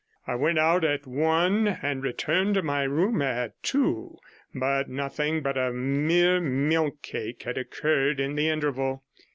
I went out at one and returned to my room at two, but nothing but a mere milk cake had occurred in the interval.